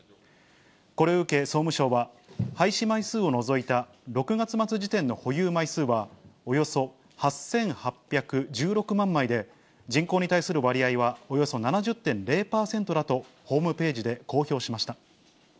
これを受け総務省は、廃止枚数を除いた６月末時点の保有枚数はおよそ８８１６万枚で、人口に対する割合はおよそ７０．０％だと、ホームページで公表しました。